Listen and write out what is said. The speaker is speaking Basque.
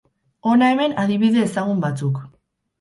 Hona hemen adibide ezagun batzuk.